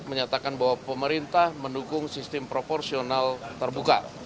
menyatakan bahwa pemerintah mendukung sistem proporsional terbuka